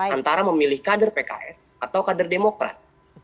antara memilih kader pks atau kader demokrat